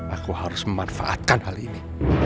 aku harus memanfaatkan hal ini